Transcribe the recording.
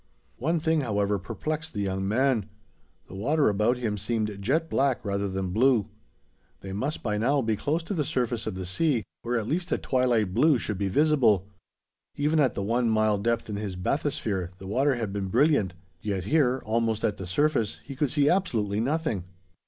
One thing, however, perplexed the young man: the water about him seemed jet black rather than blue. They must by now be close to the surface of the sea, where at least a twilight blue should be visible. Even at the one mile depth in his bathysphere, the water had been brilliant, yet here, almost at the surface, he could see absolutely nothing.